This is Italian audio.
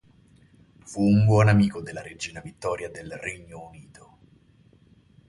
Fu un buon amico della Regina Vittoria del Regno Unito.